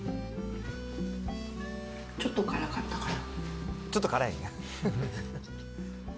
ちょっと辛かったかな。